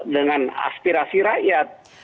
dengan aspirasi rakyat